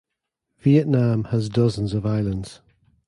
Vietnam has dozens of islands.